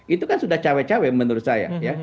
itu kan sudah cewek cewek menurut saya ya